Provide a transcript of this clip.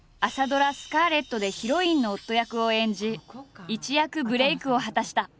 ドラ「スカーレット」でヒロインの夫役を演じ一躍ブレークを果たした。